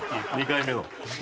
２回目の。